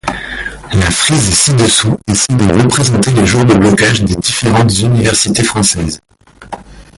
La frise ci-dessous essaie de représenter les jours de blocage des différentes universités françaises.